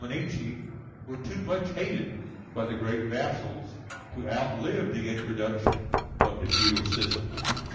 ] These missi dominici were too much hated by the great vassals to outlive the introduction of the feudal system.